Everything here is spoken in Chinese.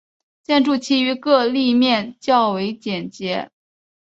建筑其余各立面则较为简洁。